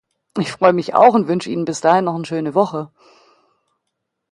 Ich freue mich auch und wünsche Ihnen bis dahin noch eine schöne Woche.